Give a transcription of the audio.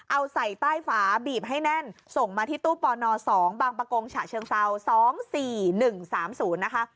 เอาใส่ใต้ฝาบีบให้แน่นส่งมาที่ตู้ปน๒บางประกงฉะเชิงเซา๒๔๑๓๐นะคะ